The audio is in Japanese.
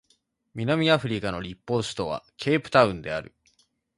南アフリカの立法首都はケープタウンである